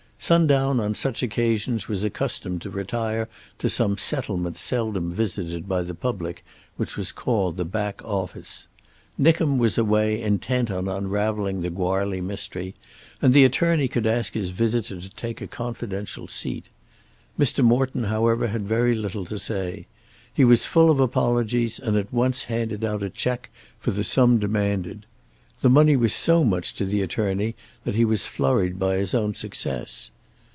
Sundown on such occasions was accustomed to retire to some settlement seldom visited by the public which was called the back office. Nickem was away intent on unravelling the Goarly mystery, and the attorney could ask his visitor to take a confidential seat. Mr. Morton however had very little to say. He was full of apologies and at once handed out a cheque for the sum demanded. The money was so much to the attorney that he was flurried by his own success.